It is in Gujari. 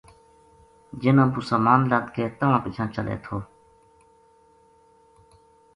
جن پو سامان لد کے تہنا پچھاں چلے تھو